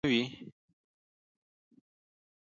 آیا د ژرندې اوړه ډیر خوندور نه وي؟